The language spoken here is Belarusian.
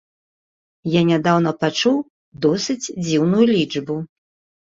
Я нядаўна пачуў досыць дзіўную лічбу.